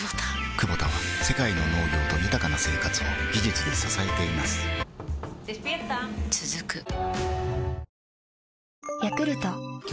クボタは世界の農業と豊かな生活を技術で支えています起きて。